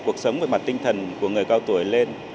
cuộc sống về mặt tinh thần của người cao tuổi lên